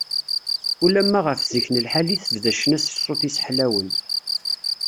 Ulamma ɣef zik n lḥal i tebda ccna s ṣṣut-is ḥlawen.